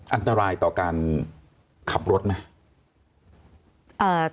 อันตรายต่อการขับรถไหม